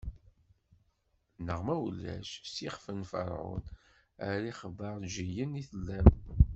Neɣ ma ulac, s yixf n Ferɛun, ar d ixbaṛǧiyen i tellam.